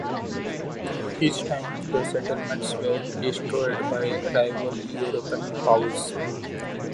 Each time, the settlements were destroyed by rival European powers.